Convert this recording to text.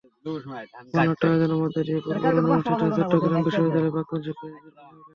বর্ণাঢ্য আয়োজনের মধ্য দিয়ে পূর্ব লন্ডনে অনুষ্ঠিত হয়েছে চট্টগ্রাম বিশ্ববিদ্যালয়ের প্রাক্তন শিক্ষার্থীদের পুনর্মিলনী।